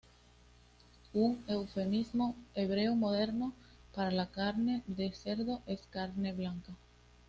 Un eufemismo hebreo moderno para la carne de cerdo es "carne blanca".